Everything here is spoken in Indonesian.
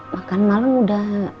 makan malam udah